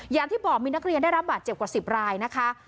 อย่างที่บอกมีนักเรียนได้รับบาดเจ็บกว่า๑๐รายนะคะ